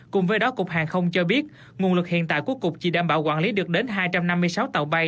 cùng với đó cục hàng không cho biết nguồn lực hiện tại của cục chỉ đảm bảo quản lý được đến hai trăm năm mươi sáu tàu bay